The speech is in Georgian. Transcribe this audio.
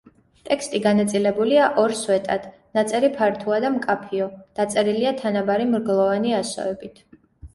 ტექსტი განაწილებულია ორ სვეტად, ნაწერი ფართოა და მკაფიო, დაწერილია თანაბარი მრგლოვანი ასოებით.